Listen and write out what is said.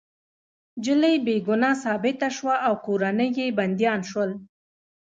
انجلۍ بې ګناه ثابته شوه او کورنۍ يې بندیان شول